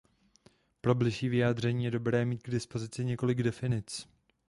Pro bližší vyjádření je dobré mít k dispozici několik definic.